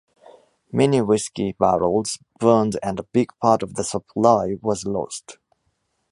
Many whisky barrels burned and a big part of the supply was lost.